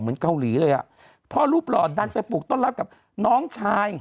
เหมือนเกาหลีเลยอ่ะเพราะรูปหลอดดันไปปลูกต้นรับกับน้องชาย